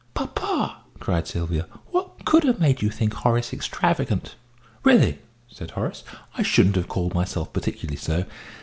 "Papa!" cried Sylvia. "What could have made you think Horace extravagant?" "Really," said Horace, "I shouldn't have called myself particularly so."